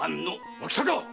脇坂！